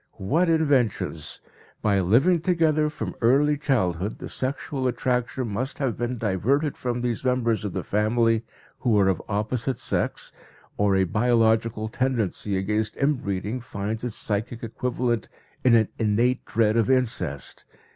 What inventions! By living together from early childhood the sexual attraction must have been diverted from these members of the family who are of opposite sex, or a biological tendency against in breeding finds its psychic equivalent in an innate dread of incest!